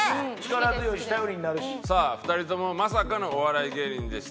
さあ２人ともまさかのお笑い芸人でした。